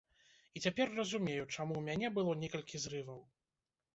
І цяпер разумею, чаму ў мяне было некалькі зрываў.